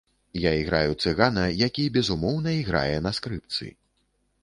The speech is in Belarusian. Я іграю цыгана, які, безумоўна, іграе на скрыпцы.